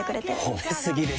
褒め過ぎですよ。